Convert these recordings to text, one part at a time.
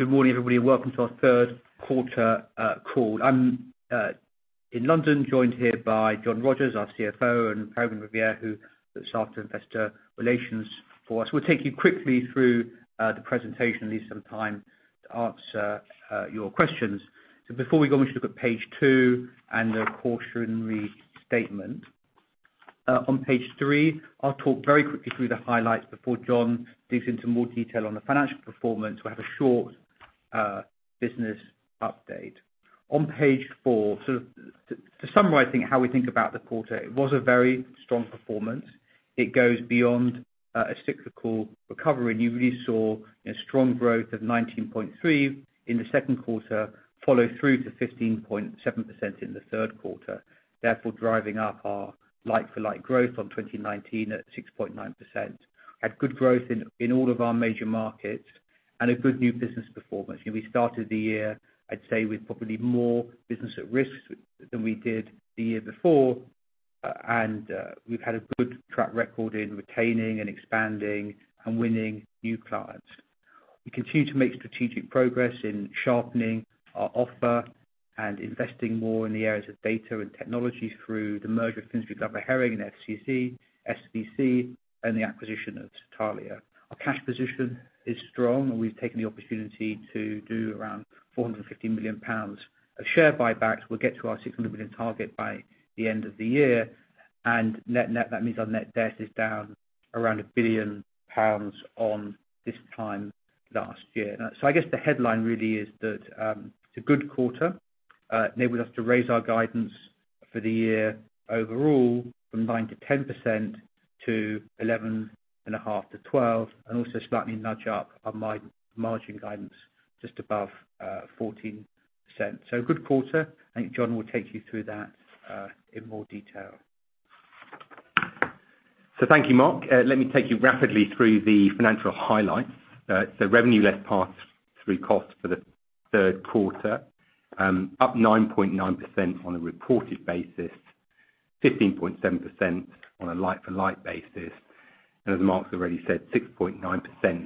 Good morning, everybody, and welcome to our Third Quarter Call. I'm in London, joined here by John Rogers, our CFO, and Peregrine Riviere, who looks after Investor Relations for us. We'll take you quickly through the presentation, leave some time to answer your questions. Before we go, I want you to look at page two and the cautionary statement. On page three, I'll talk very quickly through the highlights before John digs into more detail on the financial performance. We'll have a short business update. On page four, to summarize, I think how we think about the quarter, it was a very strong performance. It goes beyond a cyclical recovery. You really saw a strong growth of 19.3% in the second quarter follow through to 15.7% in the third quarter, therefore driving up our like-for-like growth on 2019 at 6.9%. Had good growth in all of our major markets and a good new business performance. You know, we started the year, I'd say, with probably more business at risk than we did the year before, and we've had a good track record in retaining and expanding and winning new clients. We continue to make strategic progress in sharpening our offer and investing more in the areas of data and technologies through the merger of Finsbury Glover Hering and FGH, SVC, and the acquisition of Satalia. Our cash position is strong, and we've taken the opportunity to do around 450 million pounds of share buybacks. We'll get to our 600 million target by the end of the year. Net-net, that means our net debt is down around 1 billion pounds on this time last year. I guess the headline really is that it's a good quarter, enabled us to raise our guidance for the year overall from 9%-10% to 11.5%-12%, and also slightly nudge up our margin guidance just above 14%. A good quarter, and John will take you through that in more detail. Thank you, Mark. Let me take you rapidly through the financial highlights. Revenue less pass-through costs for the third quarter, up 9.9% on a reported basis, 15.7% on a like-for-like basis. As Mark's already said, 6.9%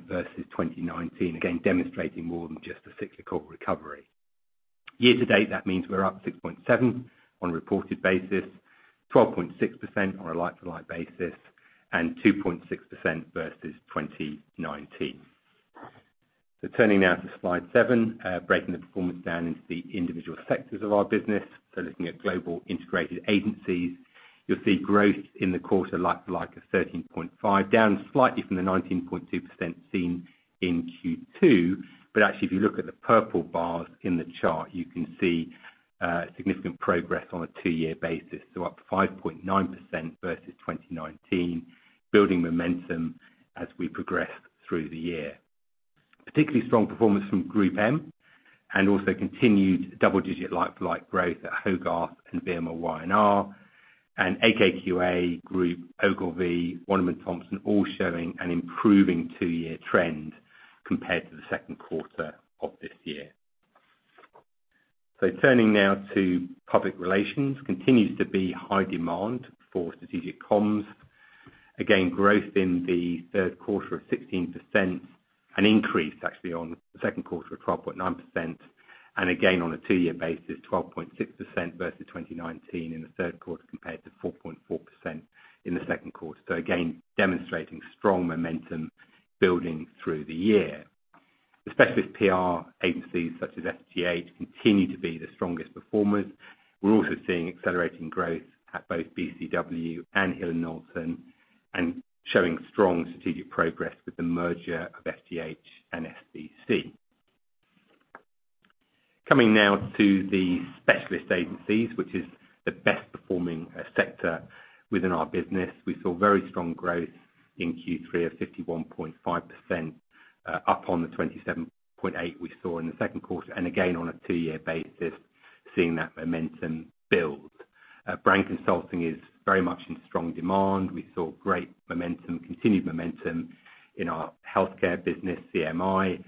versus 2019. Again, demonstrating more than just a cyclical recovery. Year to date, that means we're up 6.7% on a reported basis, 12.6% on a like-for-like basis, and 2.6% versus 2019. Turning now to slide seven, breaking the performance down into the individual sectors of our business. Looking at Global Integrated Agencies, you'll see growth in the quarter like-for-like of 13.5%, down slightly from the 19.2% seen in Q2. Actually, if you look at the purple bars in the chart, you can see significant progress on a two-year basis. Up 5.9% versus 2019, building momentum as we progress through the year. Particularly strong performance from GroupM and also continued double-digit like-for-like growth at Hogarth and VMLY&R. AKQA, Ogilvy, Wunderman Thompson, all showing an improving two-year trend compared to the second quarter of this year. Turning now to public relations, continues to be high demand for strategic comms. Again, growth in the third quarter of 16%, an increase actually on the second quarter of 12.9%. Again, on a two-year basis, 12.6% versus 2019 in the third quarter compared to 4.4% in the second quarter. Again, demonstrating strong momentum building through the year. The specialist PR agencies such as FGH continue to be the strongest performers. We're also seeing accelerating growth at both BCW and Hill & Knowlton, and showing strong strategic progress with the merger of FGH and SVC. Coming now to the specialist agencies, which is the best performing sector within our business. We saw very strong growth in Q3 of 51.5%, up on the 27.8% we saw in the second quarter, and again on a two-year basis, seeing that momentum build. Brand consulting is very much in strong demand. We saw great momentum, continued momentum in our healthcare business, CMI.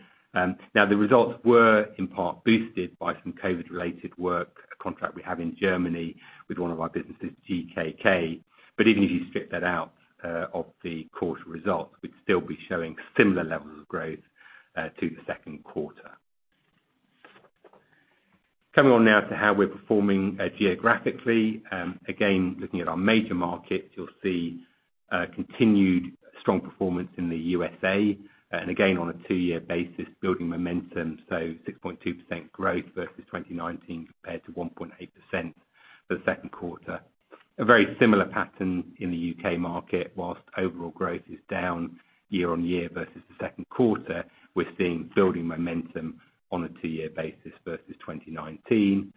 Now the results were in part boosted by some COVID-related work, a contract we have in Germany with one of our businesses, GKK. Even if you strip that out of the quarter results, we'd still be showing similar levels of growth to the second quarter. Coming on now to how we're performing geographically. Again, looking at our major markets, you'll see continued strong performance in the U.S.A., and again, on a two-year basis, building momentum, so 6.2% growth versus 2019 compared to 1.8% for the second quarter. A very similar pattern in the UK market. While overall growth is down year-on-year versus the second quarter, we're seeing building momentum on a two-year basis versus 2019.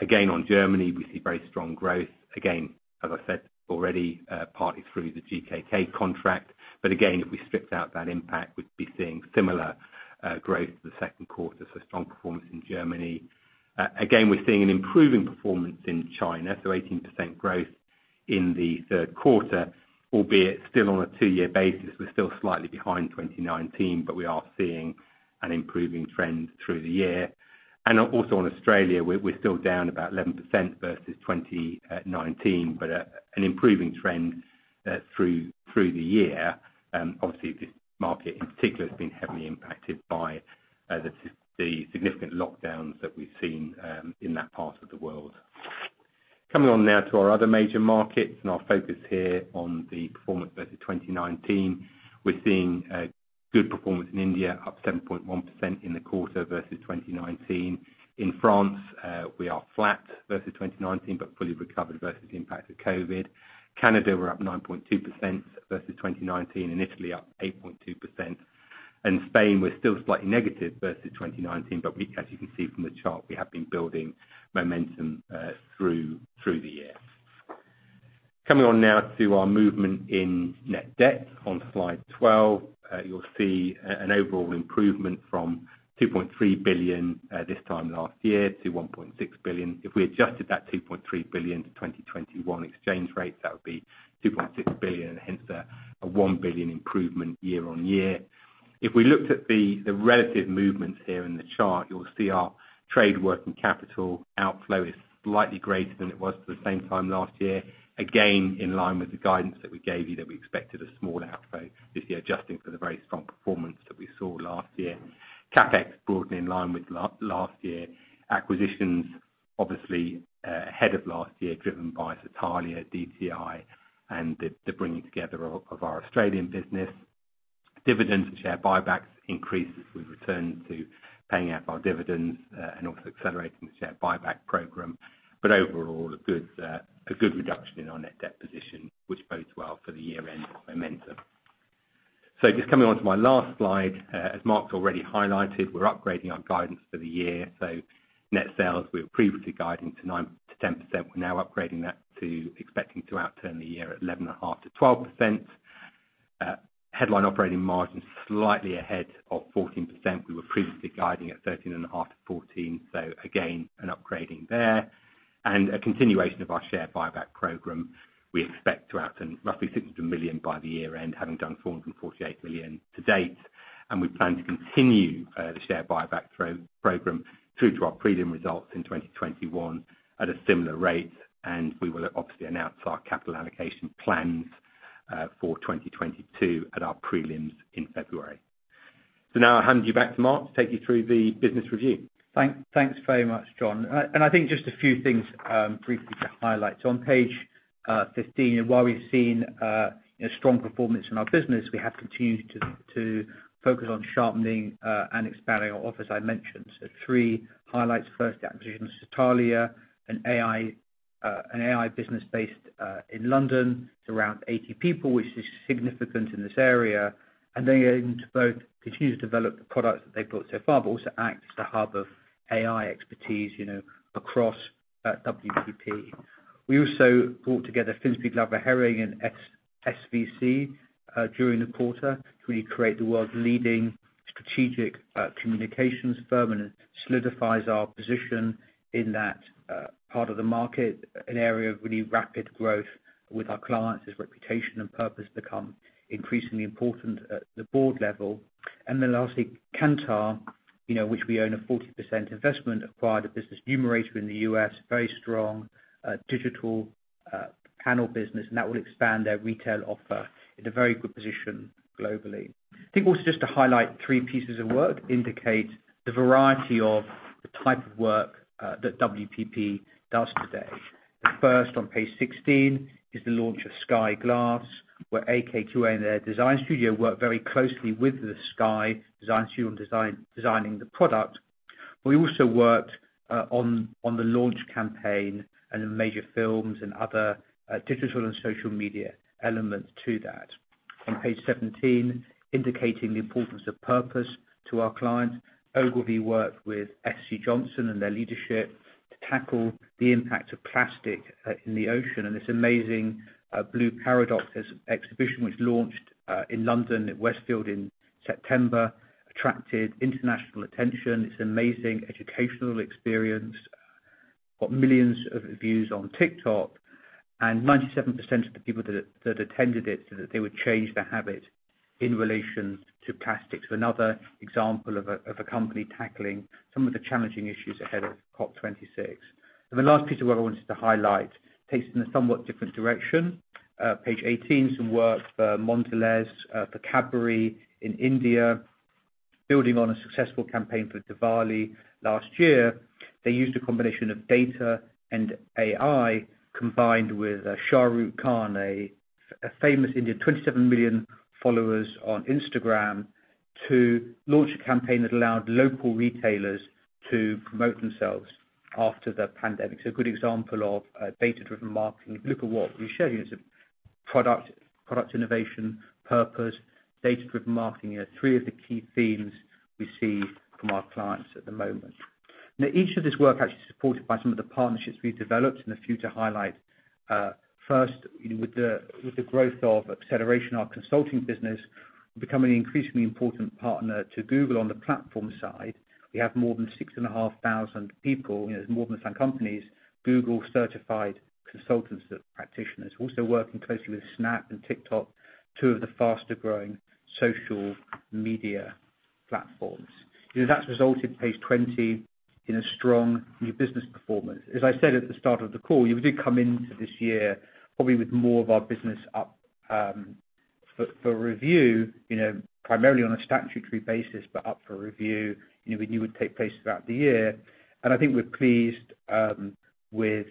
Again, on Germany, we see very strong growth. Again, as I said already, partly through the GKK contract. Again, if we stripped out that impact, we'd be seeing similar growth to the second quarter, so strong performance in Germany. Again, we're seeing an improving performance in China, so 18% growth in the third quarter, albeit still on a two-year basis, we're still slightly behind 2019, but we are seeing an improving trend through the year. Also in Australia, we're still down about 11% versus 2019, but an improving trend through the year. Obviously this market in particular has been heavily impacted by the significant lockdowns that we've seen in that part of the world. Coming on now to our other major markets and our focus here on the performance versus 2019. We're seeing a good performance in India, up 7.1% in the quarter versus 2019. In France, we are flat versus 2019, but fully recovered versus the impact of COVID. Canada, we're up 9.2% versus 2019, and Italy up 8.2%. In Spain, we're still slightly negative versus 2019, but we, as you can see from the chart, we have been building momentum through the year. Coming on now to our movement in net debt on slide 12. You'll see an overall improvement from 2.3 billion this time last year to 1.6 billion. If we adjusted that 2.3 billion to 2021 exchange rates, that would be 2.6 billion, hence a 1 billion improvement year-on-year. If we looked at the relative movements here in the chart, you'll see our trade working capital outflow is slightly greater than it was at the same time last year, again, in line with the guidance that we gave you that we expected a small outflow this year, adjusting for the very strong performance that we saw last year. CapEx broadly in line with last year. Acquisitions, obviously, ahead of last year, driven by Satalia, DTI, and the bringing together of our Australian business. Dividends and share buybacks increased as we return to paying out our dividends, and also accelerating the share buyback program. Overall, a good reduction in our net debt position, which bodes well for the year-end momentum. Just coming onto my last slide. As Mark's already highlighted, we're upgrading our guidance for the year. Net sales, we were previously guiding to 9%-10%. We're now upgrading that to expecting to outturn the year at 11.5%-12%. Headline operating margin slightly ahead of 14%. We were previously guiding at 13.5%-14%. Again, an upgrading there. A continuation of our share buyback program. We expect to outturn roughly 600 million by the year-end, having done 448 million to date. We plan to continue the share buyback program through to our prelim results in 2021 at a similar rate. We will obviously announce our capital allocation plans for 2022 at our prelims in February. Now I'll hand you back to Mark to take you through the business review. Thanks very much, John. I think just a few things briefly to highlight. On page 15, while we've seen strong performance in our business, we have continued to focus on sharpening and expanding our offer, as I mentioned. Three highlights. First, the acquisition of Satalia, an AI business based in London. It's around 80 people, which is significant in this area. They're going to both continue to develop the products that they've built so far, but also act as the hub of AI expertise, you know, across WPP. We also brought together Finsbury Glover Hering and SVC during the quarter to really create the world's leading strategic communications firm, and it solidifies our position in that part of the market, an area of really rapid growth with our clients as reputation and purpose become increasingly important at the board level. Then lastly, Kantar, you know, which we own a 40% investment, acquired a business, Numerator, in the U.S., a very strong digital panel business, and that will expand their retail offer in a very good position globally. I think also just to highlight three pieces of work, indicate the variety of the type of work that WPP does today. The first on page 16 is the launch of Sky Glass, where AKQA and their design studio worked very closely with the Sky design studio on design, designing the product. We also worked on the launch campaign and the major films and other digital and social media elements to that. On page 17, indicating the importance of purpose to our clients, Ogilvy worked with SC Johnson and their leadership to tackle the impact of plastic in the ocean. This amazing Blue Paradox exhibition, which launched in London at Westfield in September, attracted international attention. It's an amazing educational experience. Got millions of views on TikTok, and 97% of the people that attended it said that they would change their habit in relation to plastics. Another example of a company tackling some of the challenging issues ahead of COP26. The last piece of work I wanted to highlight takes it in a somewhat different direction. Page 18, some work for Mondelez for Cadbury in India. Building on a successful campaign for Diwali last year, they used a combination of data and AI, combined with Shah Rukh Khan, a famous Indian, 27 million followers on Instagram, to launch a campaign that allowed local retailers to promote themselves after the pandemic. A good example of data-driven marketing. If you look at what we showed you, it's a product innovation, purpose, data-driven marketing. You know, three of the key themes we see from our clients at the moment. Now, each of this work actually is supported by some of the partnerships we've developed, and a few to highlight. First, with the growth and acceleration of our consulting business, we've become an increasingly important partner to Google on the platform side. We have more than 6,500 people, you know, more than some companies, Google-certified consultants and practitioners. Working closely with Snap and TikTok, two of the faster-growing social media platforms. You know, that's resulted, page 20, in a strong new business performance. As I said at the start of the call, we did come into this year probably with more of our business up for review, you know, primarily on a statutory basis, but up for review, you know, we knew would take place throughout the year. I think we're pleased with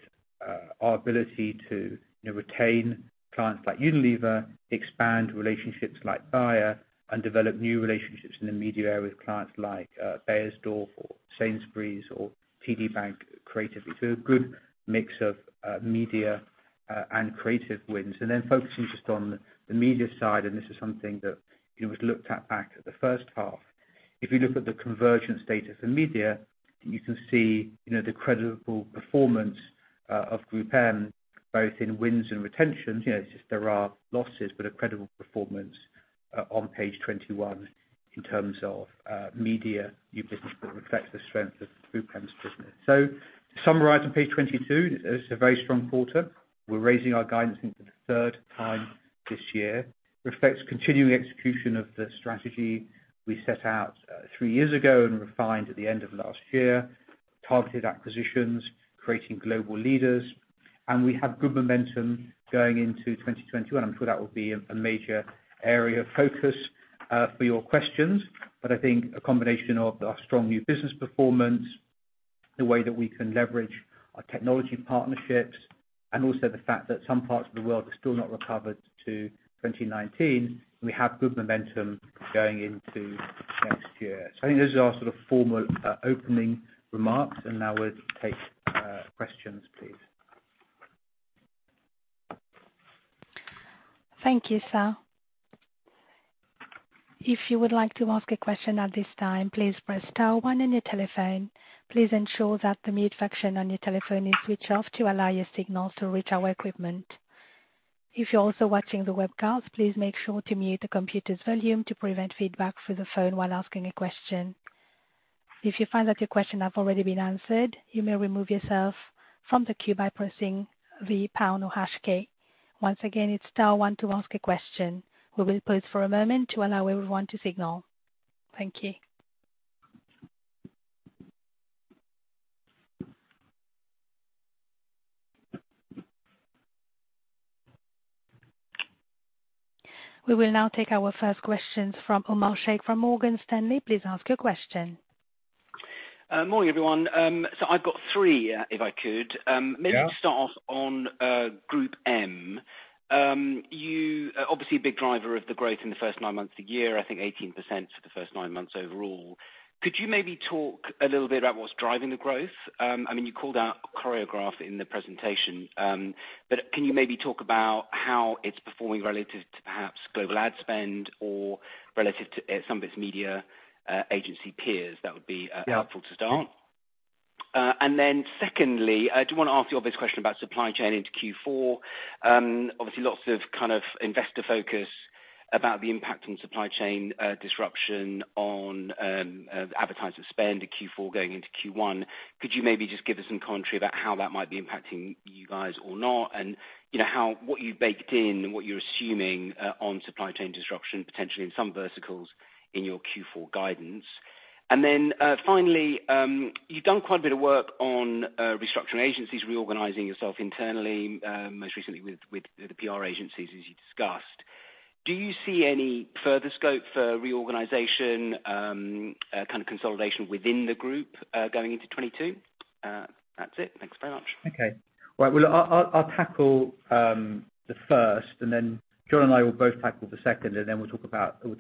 our ability to, you know, retain clients like Unilever, expand relationships like Bayer, and develop new relationships in the media with clients like Beiersdorf or Sainsbury's or TD Bank, creatively. A good mix of media and creative wins. Focusing just on the media side, and this is something that, you know, was looked at back at the first half. If you look at the COMvergence data for media, you can see, you know, the credible performance of GroupM both in wins and retentions. You know, it's just there are losses, but a credible performance on page 21 in terms of media new business that reflects the strength of GroupM's business. To summarize on page 22, this is a very strong quarter. We're raising our guidance for the third time this year, reflecting continuing execution of the strategy we set out three years ago and refined at the end of last year, targeted acquisitions creating global leaders. We have good momentum going into 2021. I'm sure that will be a major area of focus for your questions. I think a combination of our strong new business performance, the way that we can leverage our technology partnerships, and also the fact that some parts of the world have still not recovered to 2019, we have good momentum going into next year. I think those are sort of formal opening remarks. Now we'll take questions, please. Thank you, sir. If you would like to ask a question at this time, please press star one on your telephone. Please ensure that the mute function on your telephone is switched off to allow your signals to reach our equipment. If you're also watching the webcast, please make sure to mute the computer's volume to prevent feedback through the phone while asking a question. If you find that your question has already been answered, you may remove yourself from the queue by pressing the pound or hash key. Once again, it's star one to ask a question. We will pause for a moment to allow everyone to signal. Thank you. We will now take our first questions from Omar Sheikh from Morgan Stanley. Please ask your question. Morning, everyone. I've got three, if I could. Yeah. Maybe to start off on GroupM. Obviously a big driver of the growth in the first nine months of the year, I think 18% for the first nine months overall. Could you maybe talk a little bit about what's driving the growth? I mean, you called out Choreograph in the presentation, but can you maybe talk about how it's performing relative to perhaps global ad spend or relative to some of its media agency peers? That would be Yeah Helpful to start. Secondly, I do wanna ask the obvious question about supply chain into Q4. Obviously lots of kind of investor focus about the impact on supply chain disruption on advertiser spend in Q4 going into Q1. Could you maybe just give us some commentary about how that might be impacting you guys or not? You know, how what you've baked in and what you're assuming on supply chain disruption, potentially in some verticals in your Q4 guidance. Finally, you've done quite a bit of work on restructuring agencies, reorganizing yourself internally, most recently with the PR agencies, as you discussed. Do you see any further scope for reorganization, kind of consolidation within the group, going into 2022? That's it. Thanks very much. Okay. Well, I'll tackle the first, and then John and I will both tackle the second, and then we'll talk about the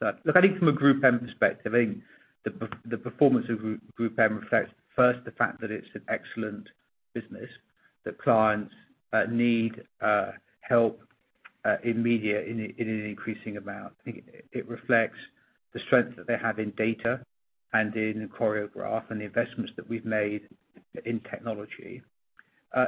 third. Look, I think from a GroupM perspective, I think the performance of GroupM reflects first the fact that it's an excellent business, that clients need help in media in an increasing amount. It reflects the strength that they have in data and in Choreograph and the investments that we've made in technology.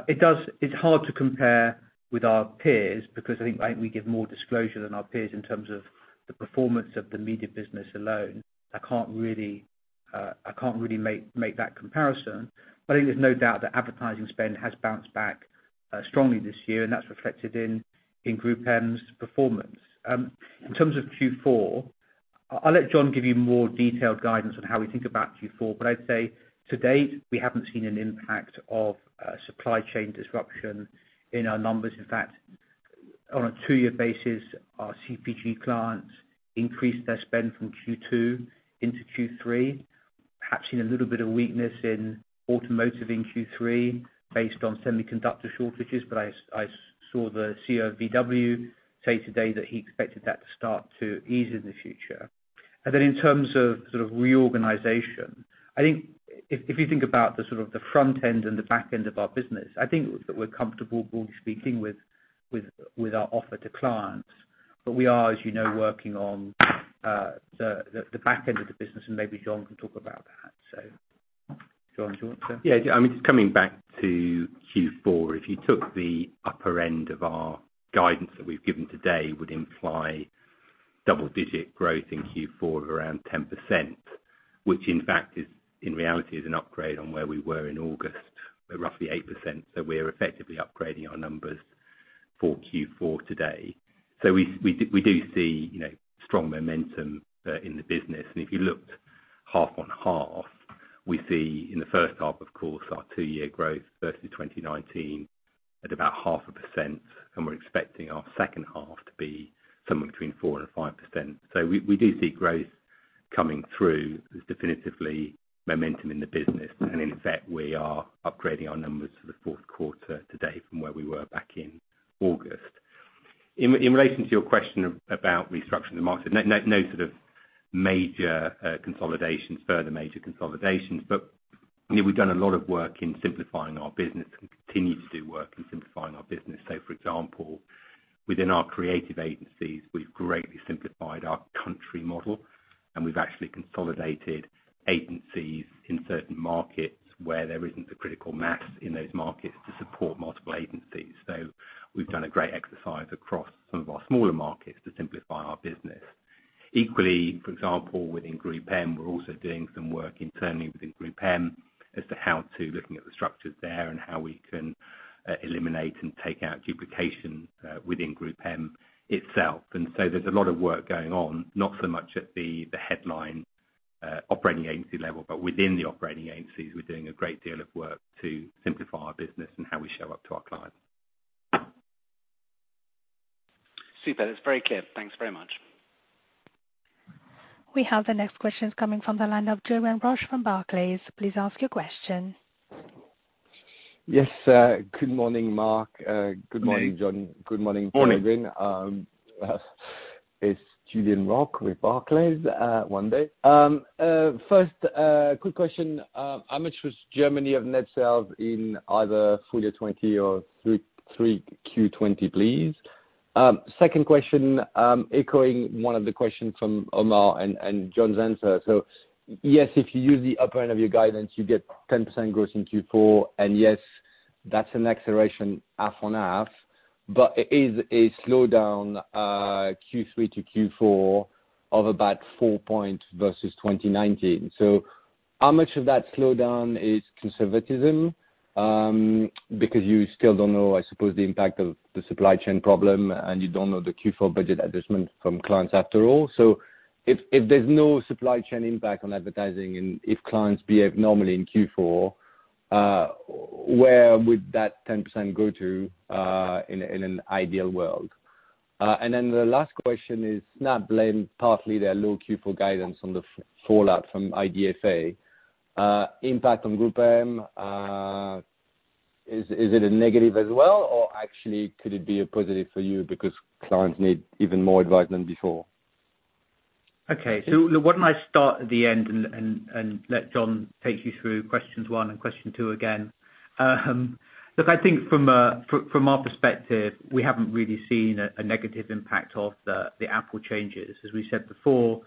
It's hard to compare with our peers because I think we give more disclosure than our peers in terms of the performance of the media business alone. I can't really make that comparison. I think there's no doubt that advertising spend has bounced back strongly this year, and that's reflected in GroupM's performance. In terms of Q4, I'll let John give you more detailed guidance on how we think about Q4. I'd say to date, we haven't seen an impact of supply chain disruption in our numbers. In fact, on a two-year basis, our CPG clients increased their spend from Q2 into Q3, perhaps seeing a little bit of weakness in automotive in Q3 based on semiconductor shortages. I saw the CEO of VW say today that he expected that to start to ease in the future. Then in terms of sort of reorganization, I think if you think about the sort of front end and the back end of our business, I think we're comfortable speaking with our offer to clients. We are, as you know, working on the back end of the business, and maybe John can talk about that. John, do you want to? I mean, just coming back to Q4. If you took the upper end of our guidance that we've given today would imply double-digit growth in Q4 of around 10%, which in fact is an upgrade on where we were in August, at roughly 8%. We're effectively upgrading our numbers for Q4 today. We do see, you know, strong momentum in the business. Half-on-half. We see in the first half, of course, our two-year growth versus 2019 at about 0.5%, and we're expecting our second half to be somewhere between 4% and 5%. We do see growth coming through. There's definitively momentum in the business. In fact, we are upgrading our numbers for the fourth quarter today from where we were back in August. In relation to your question about restructuring the market, no sort of major consolidations, further major consolidations. You know, we've done a lot of work in simplifying our business and continue to do work in simplifying our business. Say, for example, within our creative agencies, we've greatly simplified our country model, and we've actually consolidated agencies in certain markets where there isn't the critical mass in those markets to support multiple agencies. We've done a great exercise across some of our smaller markets to simplify our business. Equally, for example, within GroupM, we're also doing some work internally within GroupM as to how we're looking at the structures there and how we can eliminate and take out duplication within GroupM itself. There's a lot of work going on, not so much at the headline operating agency level, but within the operating agencies, we're doing a great deal of work to simplify our business and how we show up to our clients. Super. It's very clear. Thanks very much. We have the next questions coming from the line of Julien Roch from Barclays. Please ask your question. Yes. Good morning, Mark. Good morning, John. Good morning. Good morning, everyone. It's Julien Roch with Barclays. First, quick question. How much was Germany of net sales in either full year 2020 or Q3 2020, please? Second question, echoing one of the questions from Omar and John's answer. Yes, if you use the upper end of your guidance, you get 10% growth in Q4, and yes, that's an acceleration half-on-half, but it is a slowdown Q3 to Q4 of about 4 points versus 2019. How much of that slowdown is conservatism because you still don't know, I suppose, the impact of the supply chain problem, and you don't know the Q4 budget adjustment from clients after all. If there's no supply chain impact on advertising and if clients behave normally in Q4, where would that 10% go to, in an ideal world? And then the last question is Snap blamed partly their low Q4 guidance on the fallout from IDFA, impact on GroupM. Is it a negative as well, or actually could it be a positive for you because clients need even more advice than before? Okay. Why don't I start at the end and let John take you through questions one and question two again. Look, I think from our perspective, we haven't really seen a negative impact of the Apple changes. As we said before,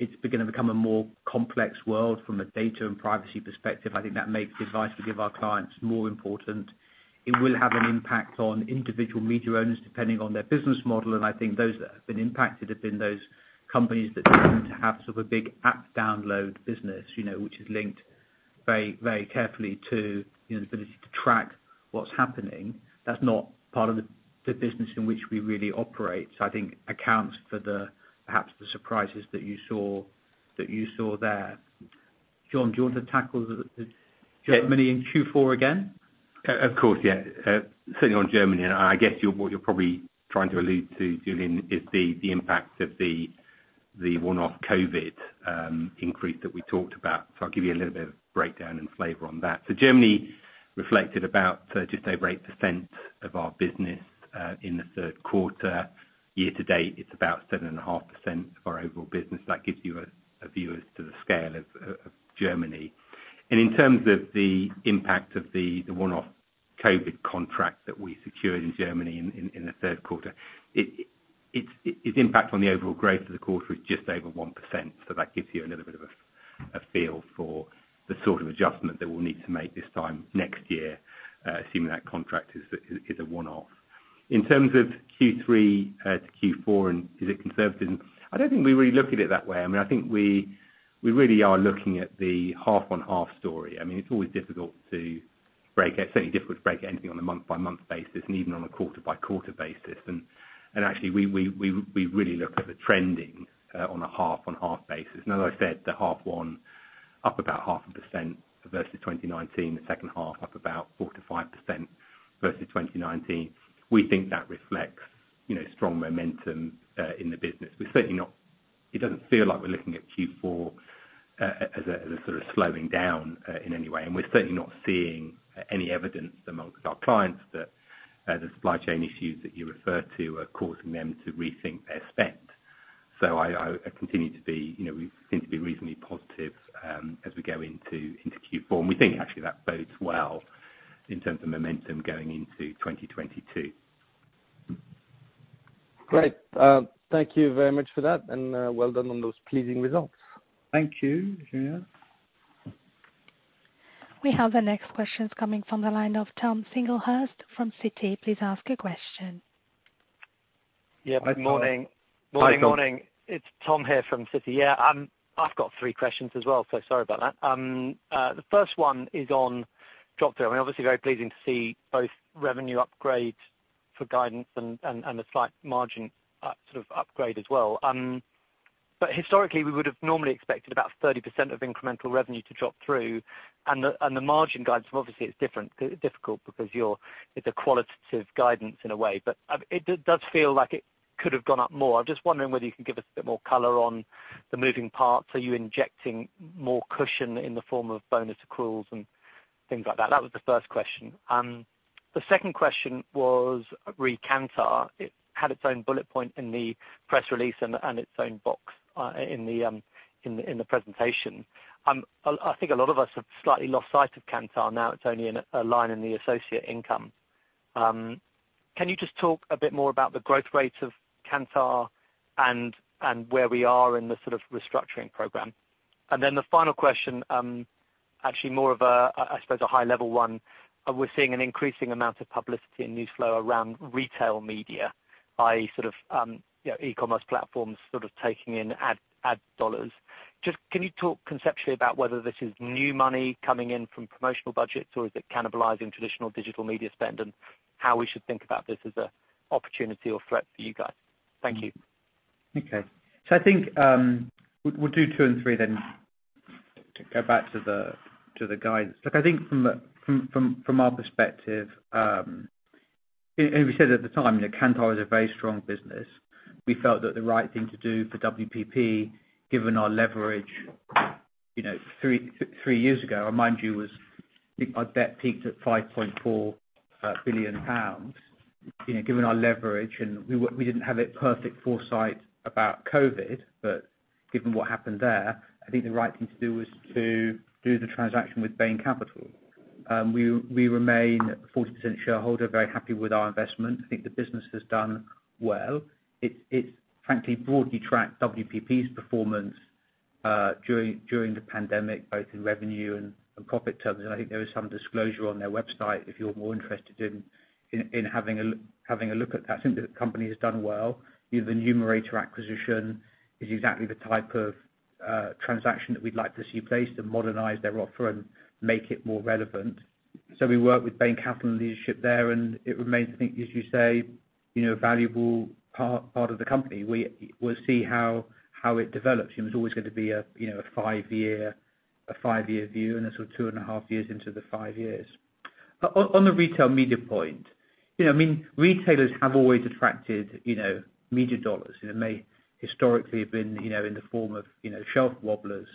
it's gonna become a more complex world from a data and privacy perspective. I think that makes the advice we give our clients more important. It will have an impact on individual media owners, depending on their business model, and I think those that have been impacted have been those companies that happen to have sort of a big app download business, you know, which is linked very carefully to, you know, the ability to track what's happening. That's not part of the business in which we really operate. I think accounts for perhaps the surprises that you saw there. John, do you want to tackle the Germany and Q4 again? Of course, yeah. Certainly on Germany, and I guess what you're probably trying to allude to, Julien, is the impact of the one-off COVID increase that we talked about. I'll give you a little bit of breakdown and flavor on that. Germany reflected about just over 8% of our business in the third quarter. Year to date, it's about 7.5% of our overall business. That gives you a view as to the scale of Germany. In terms of the impact of the one-off COVID contract that we secured in Germany in the third quarter, its impact on the overall growth of the quarter is just over 1%. That gives you a little bit of a feel for the sort of adjustment that we'll need to make this time next year, assuming that contract is a one-off. In terms of Q3 to Q4, and is it conservatism? I don't think we really look at it that way. I mean, I think we really are looking at the half-on-half story. I mean, it's always difficult to break it. It's certainly difficult to break anything on a month-by-month basis and even on a quarter-by-quarter basis. Actually we really look at the trending on a half-on-half basis. As I said, the first half up about 0.5% versus 2019, the second half up about 4%-5% versus 2019. We think that reflects, you know, strong momentum in the business. It doesn't feel like we're looking at Q4 as a sort of slowing down in any way. We're certainly not seeing any evidence among our clients that the supply chain issues that you refer to are causing them to rethink their spend. I continue to be, you know, we seem to be reasonably positive as we go into Q4. We think actually that bodes well in terms of momentum going into 2022. Great. Thank you very much for that, and well done on those pleasing results. Thank you, Julien. We have the next questions coming from the line of Tom Singlehurst from Citi. Please ask your question. Yeah. Good morning. Hi, Tom. Morning. Morning. It's Tom here from Citi. Yeah. I've got three questions as well, so sorry about that. The first one is on drop-through. I mean, obviously very pleasing to see both revenue upgrades for guidance and a slight margin sort of upgrade as well. Historically, we would've normally expected about 30% of incremental revenue to drop through, and the margin guidance obviously is different, difficult because it's a qualitative guidance in a way, but it does feel like it could have gone up more. I'm just wondering whether you can give us a bit more color on the moving parts. Are you injecting more cushion in the form of bonus accruals and things like that? That was the first question. The second question was re Kantar. It had its own bullet point in the press release and its own box in the presentation. I think a lot of us have slightly lost sight of Kantar now it's only in a line in the associate income. Can you just talk a bit more about the growth rate of Kantar and where we are in the sort of restructuring program? The final question, actually more of a, I suppose a high level one. We're seeing an increasing amount of publicity and news flow around retail media by sort of, you know, e-commerce platforms sort of taking in ad dollars. Just can you talk conceptually about whether this is new money coming in from promotional budgets, or is it cannibalizing traditional digital media spend, and how we should think about this as an opportunity or threat for you guys? Thank you. Okay. I think we'll do two and three then to go back to the guidance. Look, I think from our perspective, we said at the time, you know, Kantar is a very strong business. We felt that the right thing to do for WPP, given our leverage, you know, three years ago, remind you, was I think our debt peaked at 5.4 billion pounds. You know, given our leverage and we didn't have a perfect foresight about COVID, but given what happened there, I think the right thing to do was to do the transaction with Bain Capital. We remain 40% shareholder, very happy with our investment. I think the business has done well. It's frankly broadly tracked WPP's performance during the pandemic, both in revenue and profit terms, and I think there is some disclosure on their website if you're more interested in having a look at that. I think that the company has done well. You know, the Numerator acquisition is exactly the type of transaction that we'd like to see placed to modernize their offer and make it more relevant. We work with Bain Capital and leadership there, and it remains, I think, as you say, you know, a valuable part of the company. We'll see how it develops. You know, there's always going to be a five-year view, and they're sort of two and a half years into the five years. On the retail media point, you know, I mean, retailers have always attracted, you know, media dollars, and it may historically have been, you know, in the form of, you know, shelf wobblers,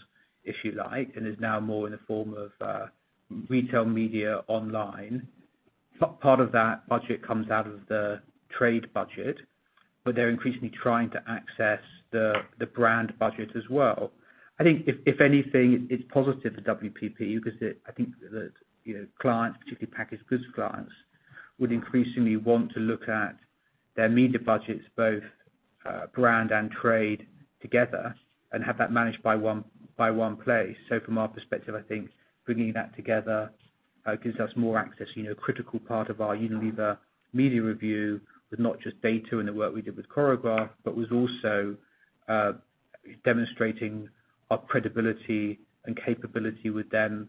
if you like, and is now more in the form of retail media online. Part of that budget comes out of the trade budget, but they're increasingly trying to access the brand budget as well. I think if anything, it's positive to WPP because it, I think that, you know, clients, particularly packaged goods clients, would increasingly want to look at their media budgets, both brand and trade together, and have that managed by one place. From our perspective, I think bringing that together gives us more access. You know, a critical part of our Unilever media review was not just data and the work we did with Choreograph, but was also demonstrating our credibility and capability with them,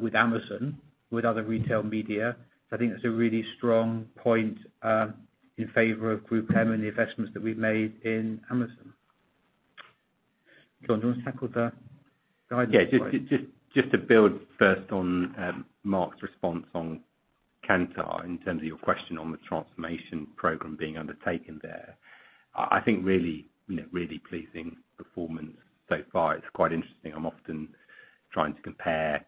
with Amazon, with other retail media. I think that's a really strong point in favor of GroupM and the investments that we've made in Amazon. John, do you wanna tackle the guidance part? Yeah, just to build first on Mark's response on Kantar in terms of your question on the transformation program being undertaken there. I think really, you know, really pleasing performance so far. It's quite interesting. I'm often trying to compare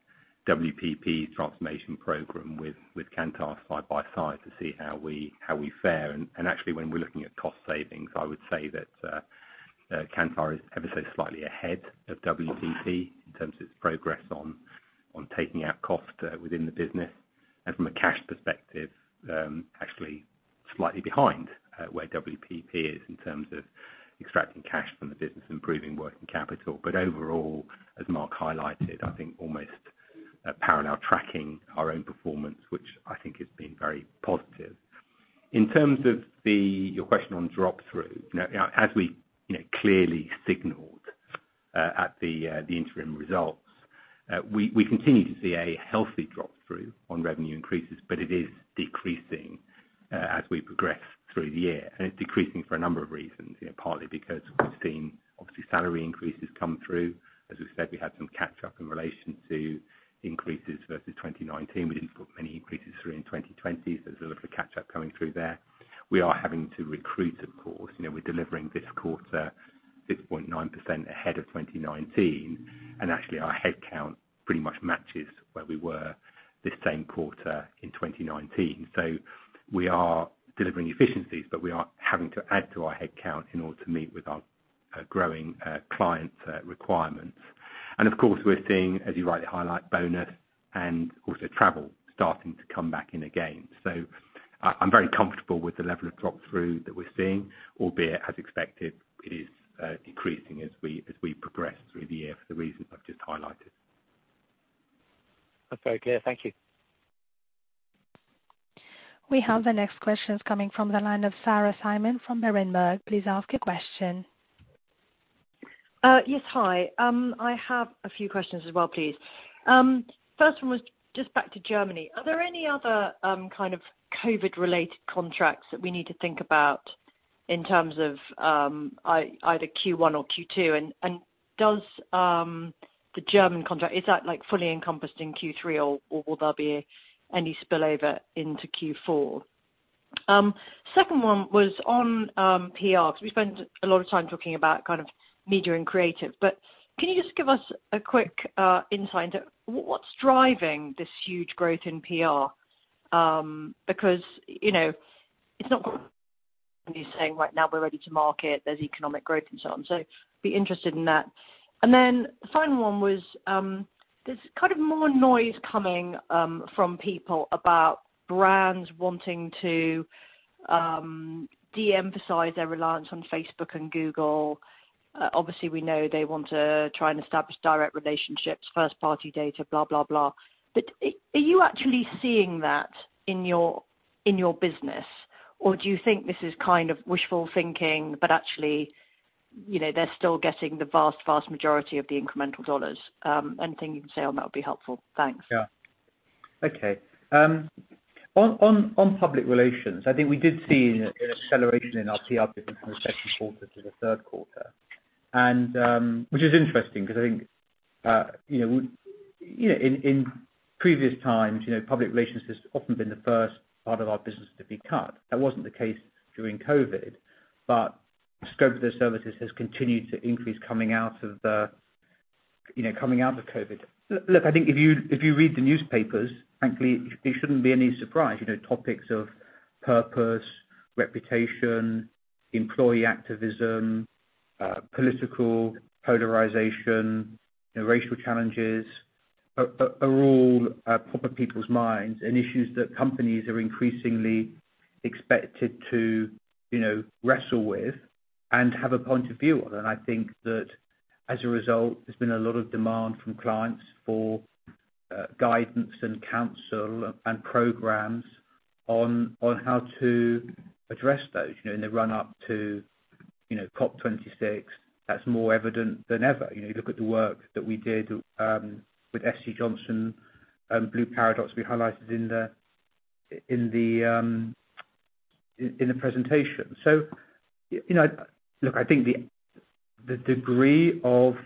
WPP's transformation program with Kantar side by side to see how we fare. Actually when we're looking at cost savings, I would say that Kantar is ever so slightly ahead of WPP in terms of its progress on taking out cost within the business. From a cash perspective, actually slightly behind where WPP is in terms of extracting cash from the business, improving working capital. Overall, as Mark highlighted, I think almost parallel tracking our own performance, which I think has been very positive. In terms of your question on drop-through, you know, as we, you know, clearly signaled at the interim results, we continue to see a healthy drop-through on revenue increases, but it is decreasing as we progress through the year, and it's decreasing for a number of reasons. You know, partly because we've seen obviously salary increases come through. As we've said, we had some catch up in relation to increases versus 2019. We didn't put many increases through in 2020, so there's a little bit of catch up coming through there. We are having to recruit, of course. You know, we're delivering this quarter 6.9% ahead of 2019, and actually our head count pretty much matches where we were this same quarter in 2019. We are delivering efficiencies, but we are having to add to our head count in order to meet with our growing clients requirements. Of course, we're seeing, as you rightly highlight, bonus and also travel starting to come back in again. I'm very comfortable with the level of drop-through that we're seeing, albeit as expected, it is increasing as we progress through the year for the reasons I've just highlighted. That's very clear. Thank you. We have the next questions coming from the line of Sarah Simon from Berenberg. Please ask your question. Yes, hi. I have a few questions as well, please. First one was just back to Germany. Are there any other kind of COVID-related contracts that we need to think about in terms of either Q1 or Q2? And is the German contract like fully encompassed in Q3 or will there be any spillover into Q4? Second one was on PR because we spent a lot of time talking about kind of media and creative. Can you just give us a quick insight into what's driving this huge growth in PR? Because, you know, it's not saying right now we're ready to market, there's economic growth and so on. I'd be interested in that. Final one was, there's kind of more noise coming from people about brands wanting to de-emphasize their reliance on Facebook and Google. Obviously, we know they want to try and establish direct relationships, first-party data, blah, blah. Are you actually seeing that in your business? Or do you think this is kind of wishful thinking, but actually, you know, they're still getting the vast majority of the incremental dollars? Anything you can say on that would be helpful. Thanks. Yeah. Okay. On public relations, I think we did see an acceleration in our PR business from the second quarter to the third quarter. Which is interesting because I think, you know, in previous times, you know, public relations has often been the first part of our business to be cut. That wasn't the case during COVID, but the scope of the services has continued to increase coming out of the, you know, coming out of COVID. Look, I think if you read the newspapers, frankly, it shouldn't be any surprise. You know, topics of purpose, reputation, employee activism, political polarization, you know, racial challenges are all front of people's minds and issues that companies are increasingly expected to, you know, wrestle with and have a point of view on. I think that as a result, there's been a lot of demand from clients for guidance and counsel and programs on how to address those, you know, in the run-up to, you know, COP26. That's more evident than ever. You know, you look at the work that we did with SC Johnson and the Blue Paradox, we highlighted in the presentation. You know, look, I think the degree of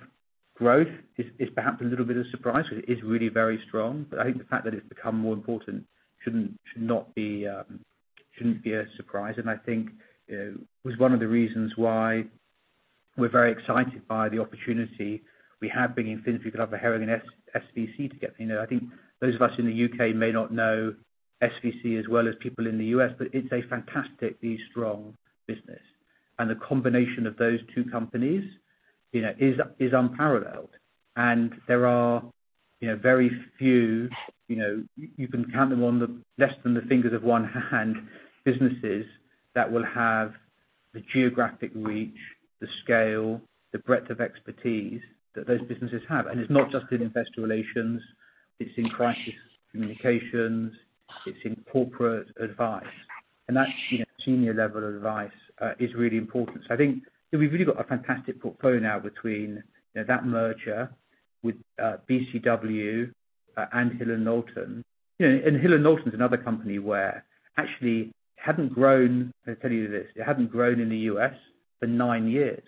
growth is perhaps a little bit of a surprise. It is really very strong. I think the fact that it's become more important shouldn't be a surprise. I think it was one of the reasons why we're very excited by the opportunity we have bringing Finsbury Glover Hering and SVC together. You know, I think those of us in the U.K. may not know SVC as well as people in the U.S., but it's a fantastically strong business. The combination of those two companies, you know, is unparalleled. There are, you know, very few, you know, you can count them on less than the fingers of one hand, businesses that will have the geographic reach, the scale, the breadth of expertise that those businesses have. It's not just in Investor Relations, it's in crisis communications, it's in corporate advice. That senior level of advice is really important. I think we've really got a fantastic portfolio now between, you know, that merger with BCW and Hill & Knowlton. You know, Hill & Knowlton is another company where actually hadn't grown. Let me tell you this, it hadn't grown in the U.S. for nine years.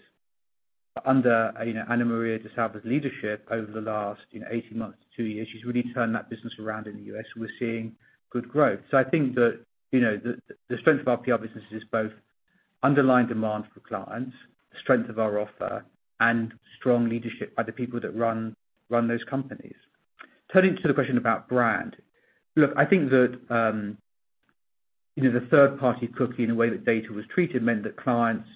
Under, you know, AnnaMaria DeSalva's leadership over the last, you know, 18 months to two years, she's really turned that business around in the U.S. We're seeing good growth. I think that, you know, the strength of our PR business is both underlying demand for clients, the strength of our offer and strong leadership by the people that run those companies. Turning to the question about brand. Look, I think that, you know, the third-party cookie in a way that data was treated meant that clients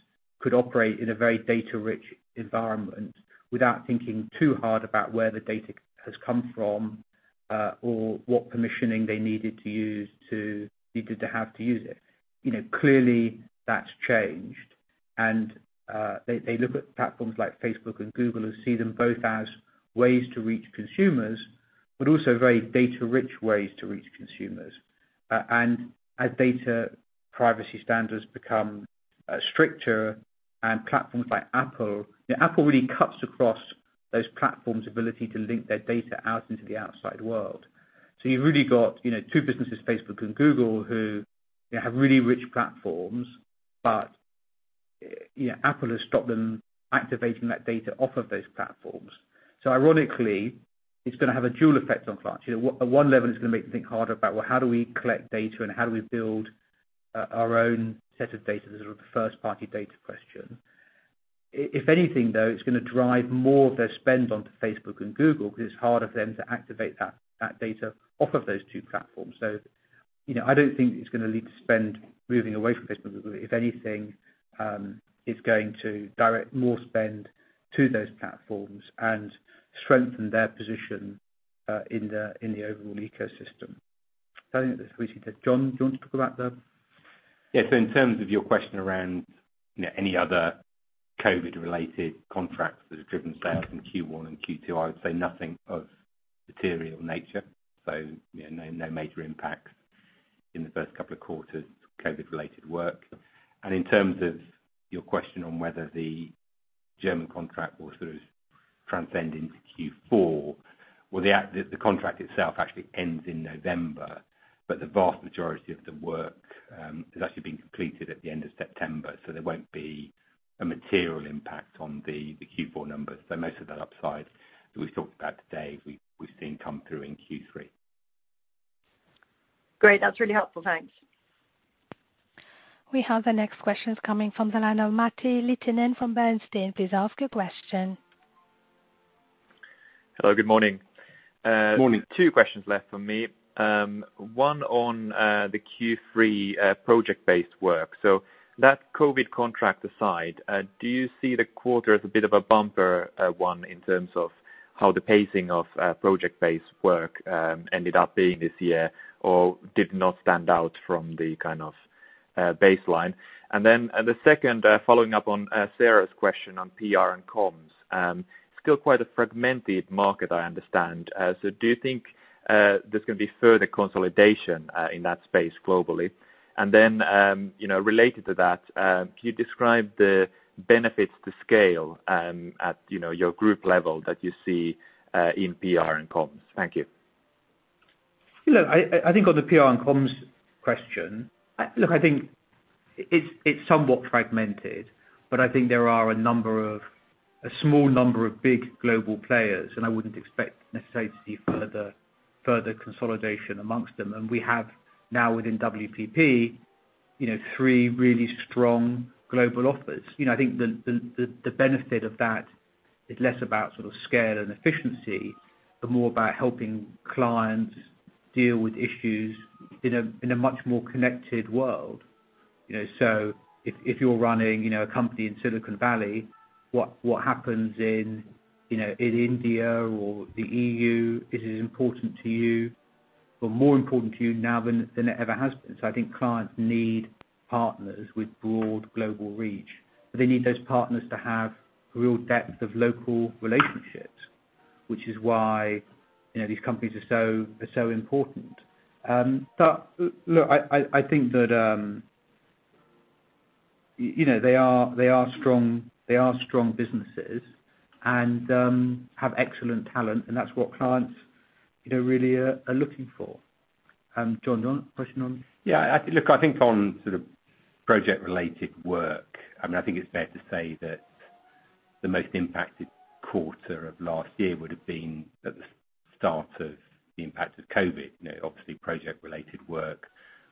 could operate in a very data-rich environment without thinking too hard about where the data has come from, or what permissioning they needed to have to use it. You know, clearly that's changed. They look at platforms like Facebook and Google and see them both as ways to reach consumers, but also very data-rich ways to reach consumers. As data privacy standards become stricter and platforms like Apple. You know, Apple really cuts across those platforms' ability to link their data out into the outside world. You've really got, you know, two businesses, Facebook and Google, who have really rich platforms, but, you know, Apple has stopped them activating that data off of those platforms. Ironically, it's gonna have a dual effect on clients. You know, at one level, it's gonna make them think harder about, well, how do we collect data and how do we build our own set of data? The sort of first-party data question. If anything, though, it's gonna drive more of their spend onto Facebook and Google because it's harder for them to activate that data off of those two platforms. You know, I don't think it's gonna lead to spend moving away from Facebook and Google. If anything, it's going to direct more spend to those platforms and strengthen their position in the overall ecosystem. I think that's all we said. John, do you want to talk about the Yeah. In terms of your question around any other COVID related contracts that have driven sales in Q1 and Q2, I would say nothing of material nature. No, no major impact. In the first couple of quarters, COVID-related work. In terms of your question on whether the German contract will sort of extend into Q4, well, the contract itself actually ends in November, but the vast majority of the work has actually been completed at the end of September, so there won't be a material impact on the Q4 numbers. Most of the upside that we've talked about today, we've seen come through in Q3. Great. That's really helpful. Thanks. We have the next questions coming from the line of Matti Littunen from Bernstein. Please ask your question. Hello, good morning. Morning. Two questions left for me, one on the Q3 project-based work. That COVID contract aside, do you see the quarter as a bit of a bumper one in terms of how the pacing of project-based work ended up being this year, or did not stand out from the kind of baseline? Then the second following up on Sarah's question on PR and comms, still quite a fragmented market, I understand. Do you think there's gonna be further consolidation in that space globally? You know, related to that, can you describe the benefits to scale at you know, your group level that you see in PR and comms? Thank you. Look, I think on the PR and comms question, look, I think it's somewhat fragmented, but I think there are a small number of big global players, and I wouldn't expect necessarily to see further consolidation amongst them. We have now within WPP, you know, three really strong global offers. You know, I think the benefit of that is less about sort of scale and efficiency, but more about helping clients deal with issues in a much more connected world. You know, if you're running, you know, a company in Silicon Valley, what happens in, you know, in India or the EU is as important to you, but more important to you now than it ever has been. I think clients need partners with broad global reach. They need those partners to have real depth of local relationships, which is why, you know, these companies are so important. I think that, you know, they are strong businesses and have excellent talent, and that's what clients, you know, really are looking for. John, do you want a question on it? Yeah, I think. Look, I think on sort of project-related work, I mean, I think it's fair to say that the most impacted quarter of last year would have been at the start of the impact of COVID. You know, obviously, project-related work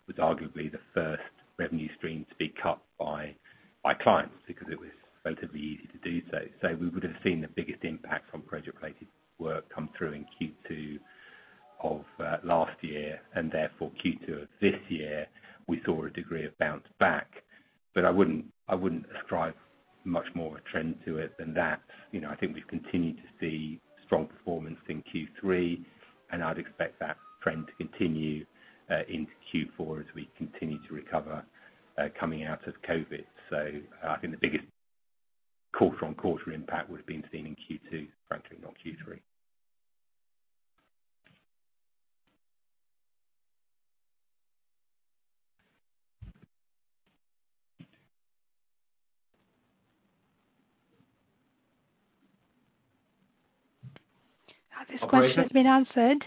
was arguably the first revenue stream to be cut by clients because it was relatively easy to do so. We would have seen the biggest impact from project-related work come through in Q2 of last year, and therefore Q2 of this year, we saw a degree of bounce back. I wouldn't ascribe much more of a trend to it than that. You know, I think we've continued to see strong performance in Q3, and I'd expect that trend to continue into Q4 as we continue to recover coming out of COVID. I think the biggest quarter-on-quarter impact would have been seen in Q2, frankly, not Q3. This question has been answered.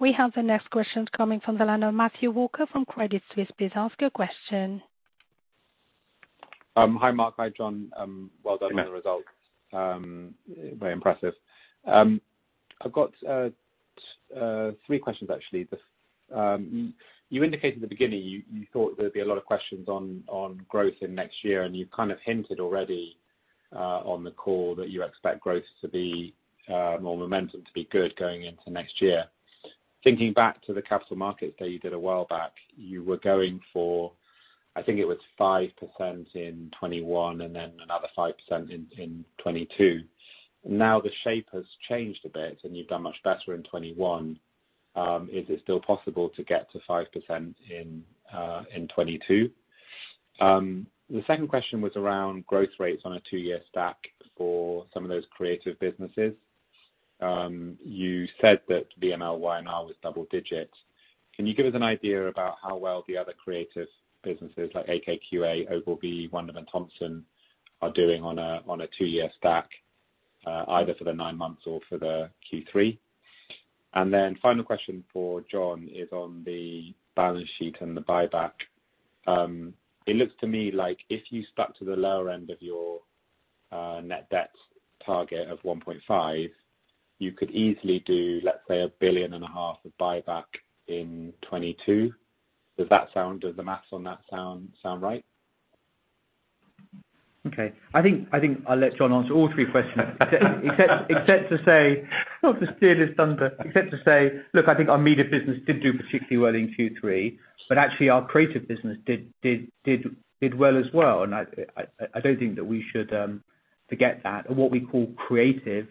We have the next question coming from the line of Matthew Walker from Credit Suisse. Please ask your question. Hi, Mark. Hi, John. Well done. Hi, Matt. ...on the results. Very impressive. I've got three questions, actually. You indicated at the beginning you thought there'd be a lot of questions on growth in next year, and you've kind of hinted already on the call that you expect growth to be or momentum to be good going into next year. Thinking back to the capital markets that you did a while back, you were going for, I think it was 5% in 2021 and then another 5% in 2022. Now the shape has changed a bit and you've done much better in 2021. Is it still possible to get to 5% in 2022? The second question was around growth rates on a two-year stack for some of those creative businesses. You said that VMLY&R now is double digits. Can you give us an idea about how well the other creative businesses like AKQA, Ogilvy, Wunderman Thompson are doing on a two-year stack, either for the nine months or for the Q3? Final question for John is on the balance sheet and the buyback. It looks to me like if you stuck to the lower end of your net debt target of 1.5, you could easily do, let's say, 1.5 billion of buyback in 2022. Does the math on that sound right? Okay. I think I'll let John answer all three questions except to say, not to steal his thunder, look, I think our media business did do particularly well in Q3, but actually, our creative business did well as well. I don't think that we should forget that. What we call creative,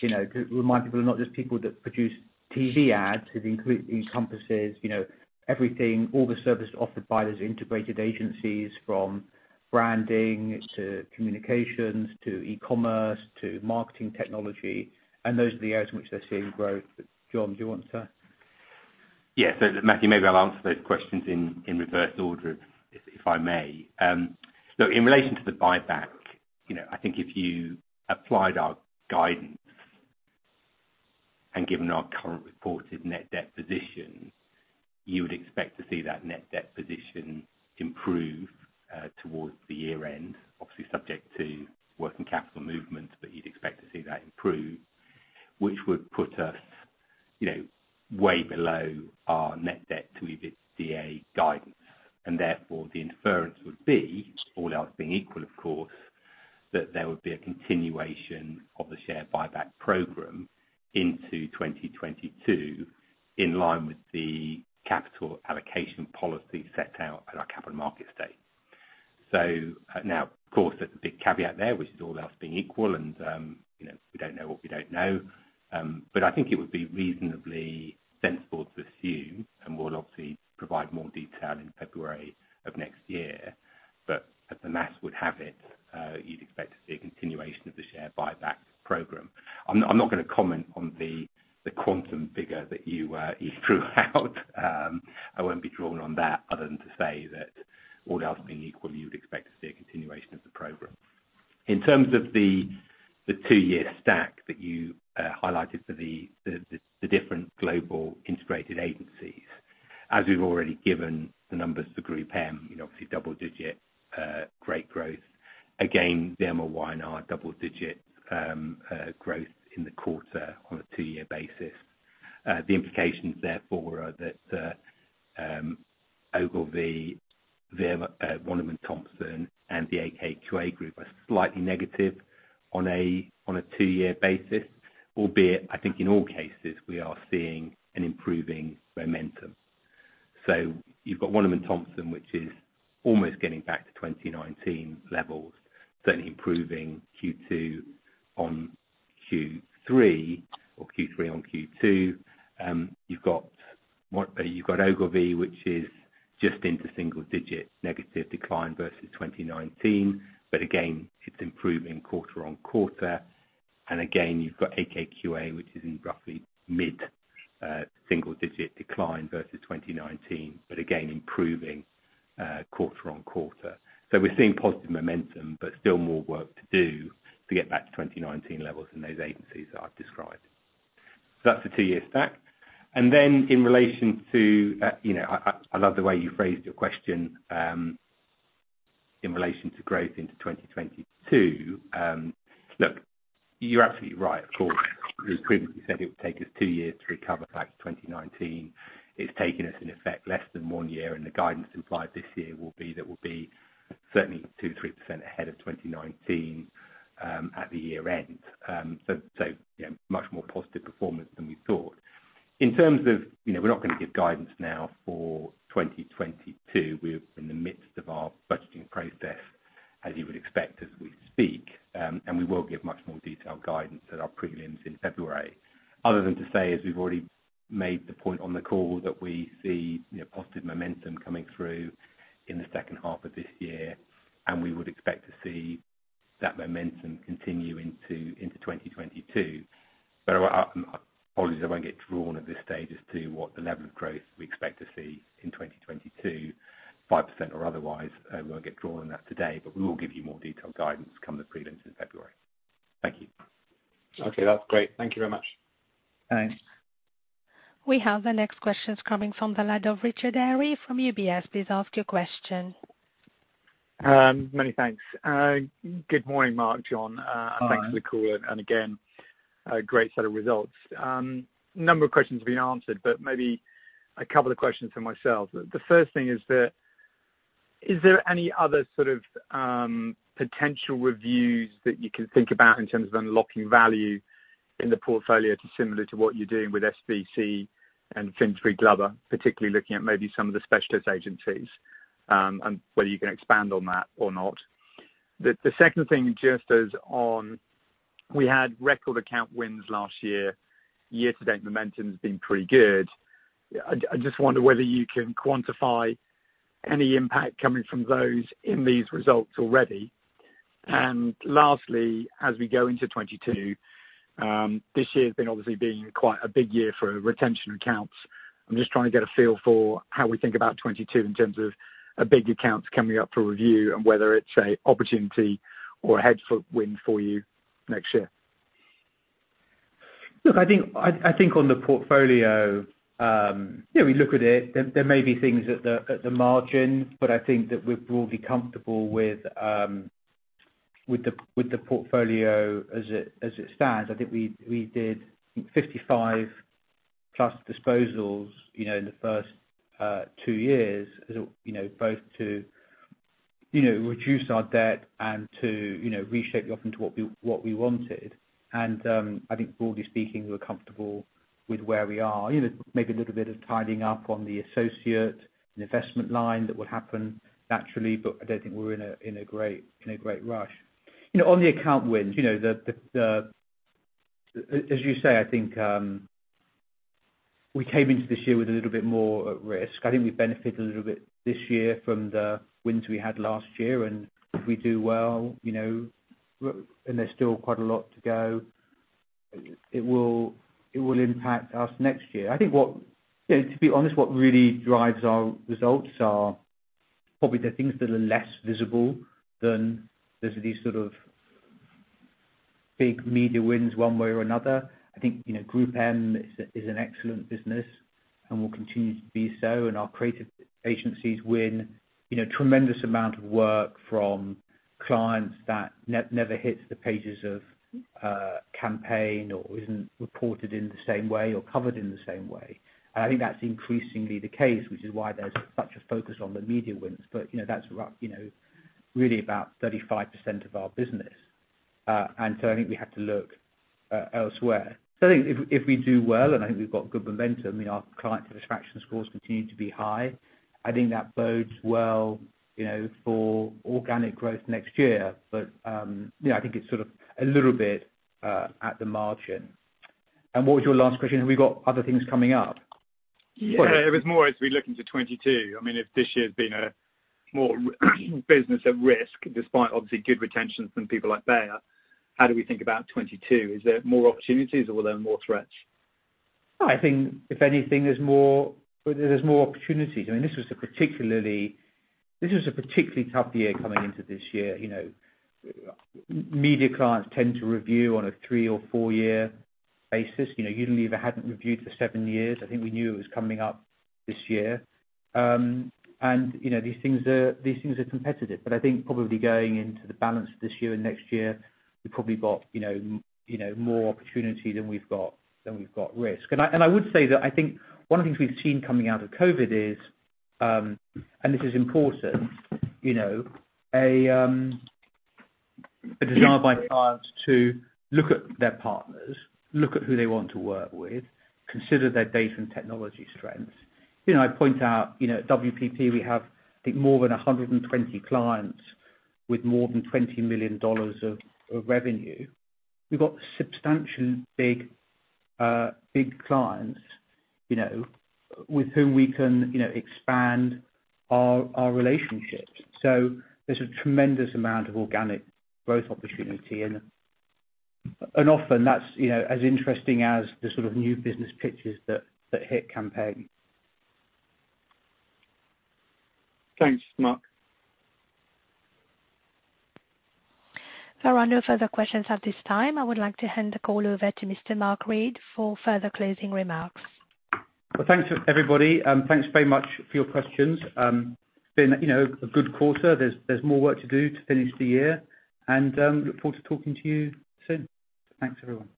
you know, to remind people are not just people that produce TV ads. It encompasses, you know, everything, all the services offered by those integrated agencies, from branding to communications to e-commerce to marketing technology, and those are the areas in which they're seeing growth. John, do you want to? Matthew, maybe I'll answer those questions in reverse order if I may. In relation to the buyback, you know, I think if you applied our guidance and given our current reported net debt position, you would expect to see that net debt position improve towards the year end, obviously subject to working capital movements, but you'd expect to see that improve, which would put us, you know, way below our net debt to EBITDA guidance. Therefore the inference would be, all else being equal of course, that there would be a continuation of the share buyback program into 2022, in line with the capital allocation policy set out at our capital markets day. Now of course there's a big caveat there, which is all else being equal and, you know, we don't know what we don't know. I think it would be reasonably sensible to assume, and we'll obviously provide more detail in February of next year, but as the math would have it, you'd expect to see a continuation of the share buyback program. I'm not gonna comment on the quantum figure that you threw out. I won't be drawn on that other than to say that all else being equal, you would expect to see a continuation of the program. In terms of the two-year stack that you highlighted for the different global integrated agencies. As we've already given the numbers for GroupM, you know, obviously double-digit great growth. Again, VMLY&R, double-digit growth in the quarter on a two-year basis. The implications therefore are that Ogilvy, Wunderman Thompson, and the AKQA Group are slightly negative on a two-year basis, albeit I think in all cases we are seeing an improving momentum. You've got Wunderman Thompson, which is almost getting back to 2019 levels, certainly improving Q2 on Q3 or Q3 on Q2. You've got Ogilvy, which is just into single digit negative decline versus 2019. But again, it's improving quarter-on-quarter. Again, you've got AKQA, which is in roughly mid single digit decline versus 2019, but again, improving quarter-on-quarter. We're seeing positive momentum, but still more work to do to get back to 2019 levels in those agencies that I've described. That's the two-year stack. In relation to, you know, I love the way you phrased your question, in relation to growth into 2022. Look, you're absolutely right. Of course, we previously said it would take us two years to recover back to 2019. It's taken us in effect less than one year, and the guidance implied this year will be that we'll be certainly 2%-3% ahead of 2019, at the year end. You know, much more positive performance than we thought. In terms of, you know, we're not gonna give guidance now for 2022. We're in the midst of our budgeting process as you would expect as we speak. We will give much more detailed guidance at our prelims in February. Other than to say, as we've already made the point on the call, that we see, you know, positive momentum coming through in the second half of this year, and we would expect to see that momentum continue into 2022. I, apologies, I won't get drawn at this stage as to what the level of growth we expect to see in 2022, 5% or otherwise. I won't get drawn on that today, but we will give you more detailed guidance come the prelims in February. Thank you. Okay. That's great. Thank you very much. Thanks. We have the next question coming from the line of Richard Eary from UBS. Please ask your question. Many thanks. Good morning, Mark, John. Hi. Thanks for the call and again, a great set of results. Number of questions have been answered, but maybe a couple of questions from myself. The first thing is that, is there any other sort of potential reviews that you can think about in terms of unlocking value in the portfolio to similar to what you're doing with SVC and Finsbury Glover Hering, particularly looking at maybe some of the specialist agencies, and whether you can expand on that or not? The second thing just is on, we had record account wins last year. Year to date momentum's been pretty good. I just wonder whether you can quantify any impact coming from those in these results already. Lastly, as we go into 2022, this year's been obviously quite a big year for retention accounts. I'm just trying to get a feel for how we think about 2022 in terms of big accounts coming up for review and whether it's an opportunity or a headwind for you next year. Look, I think on the portfolio, we look at it. There may be things at the margin, but I think that we're broadly comfortable with the portfolio as it stands. I think we did 55+ disposals, you know, in the first two years. You know, both to reduce our debt and to reshape the offering to what we wanted. I think broadly speaking, we're comfortable with where we are. You know, maybe a little bit of tidying up on the associate and investment line that will happen naturally, but I don't think we're in a great rush. You know, on the account wins, you know, the. As you say, I think we came into this year with a little bit more at risk. I think we benefited a little bit this year from the wins we had last year, and we do well, you know, and there's still quite a lot to go. It will impact us next year. I think, yeah, to be honest, what really drives our results are probably the things that are less visible than just these sort of big media wins one way or another. I think, you know, Group M is an excellent business and will continue to be so. Our creative agencies win, you know, tremendous amount of work from clients that never hits the pages of Campaign or isn't reported in the same way or covered in the same way. I think that's increasingly the case, which is why there's such a focus on the media wins. You know, that's really about 35% of our business. I think we have to look elsewhere. I think if we do well, and I think we've got good momentum, you know, our client satisfaction scores continue to be high. I think that bodes well, you know, for organic growth next year. You know, I think it's sort of a little bit at the margin. What was your last question? Have we got other things coming up? Yeah. It was more as we look into 2022. I mean, if this year's been a more business at risk, despite obviously good retention from people like Bayer, how do we think about 2022? Is there more opportunities or are there more threats? I think if anything is more, there's more opportunities. I mean, this was a particularly tough year coming into this year. You know, media clients tend to review on a three or four-year basis. You know, Unilever hadn't reviewed for seven years. I think we knew it was coming up this year. You know, these things are competitive. But I think probably going into the balance of this year and next year, we probably got more opportunity than we've got risk. I would say that I think one of the things we've seen coming out of COVID is, and this is important, you know, a desire by clients to look at their partners, look at who they want to work with, consider their data and technology strengths. You know, I point out, you know, at WPP we have, I think more than 120 clients with more than $20 million of revenue. We've got substantial big clients, you know, with whom we can, you know, expand our relationships. There's a tremendous amount of organic growth opportunity and often that's, you know, as interesting as the sort of new business pitches that hit Campaign. Thanks, Mark. There are no further questions at this time. I would like to hand the call over to Mr. Mark Read for further closing remarks. Well, thanks, everybody, and thanks very much for your questions. It's been, you know, a good quarter. There's more work to do to finish the year and look forward to talking to you soon. Thanks, everyone.